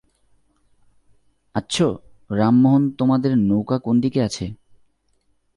আচ্ছ, রামমােহন তােমাদের নৌকা কোন দিকে আছে?